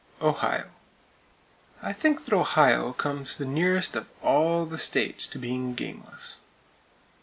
Ohio: I think that Ohio comes the nearest of all the states to being gameless.